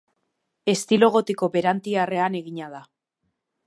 Estilo gotiko berantiarrean egina da.